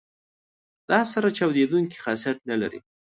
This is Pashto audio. دا سره چاودیدونکي خاصیت نه لري.